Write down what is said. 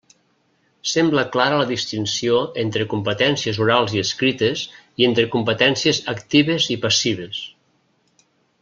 Sembla clara la distinció entre competències orals i escrites i entre competències actives i passives.